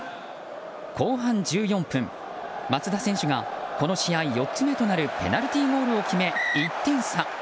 後半１４分、松田選手がこの試合４つ目となるペナルティーゴールを決め１点差。